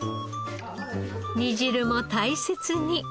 煮汁も大切に。